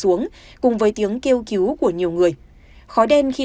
ông điền kể lại